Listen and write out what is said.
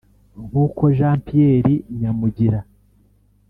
nk’uko Jean Pierre Nyamugira